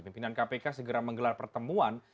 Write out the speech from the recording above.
pimpinan kpk segera menggelar pertemuan